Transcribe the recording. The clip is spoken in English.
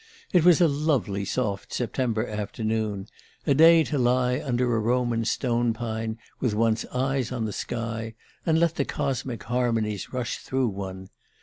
It was a lovely soft September afternoon a day to lie under a Roman stone pine, with one's eyes on the sky, and let the cosmic harmonies rush through one.